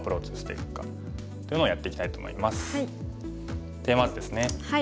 テーマ図ですね。